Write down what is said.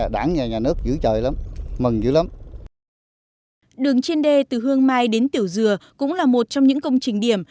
đường trên đê từ hương mai đến tiểu dừa cũng là một trong những công trình điểm